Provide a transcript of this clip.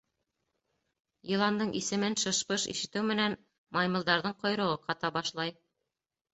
Йыландың исемен шыш-быш ишетеү менән маймылдарҙың ҡойроғо ҡата башлай.